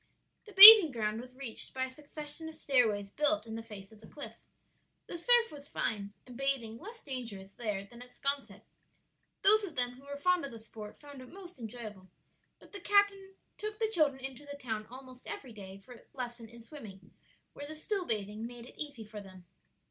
The bathing ground was reached by a succession of stairways built in the face of the cliff. The surf was fine, and bathing less dangerous there than at 'Sconset. Those of them who were fond of the sport found it most enjoyable; but the captain took the children into the town almost every day for a lesson in swimming, where the still bathing made it easy for them.